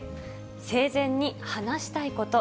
生前に話したいこと。